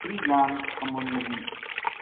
میرِی جان کمن لگی